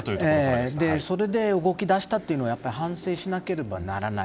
それで動き出したというのは反省しなければならない。